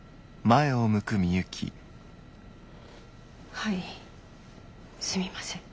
はいすみません。